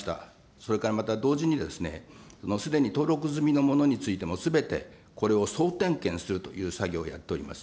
それから、また同時にですね、すでに登録済みのものについても、すべてこれを総点検するという作業をやっております。